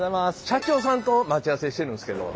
社長さんと待ち合わせしてるんですけど。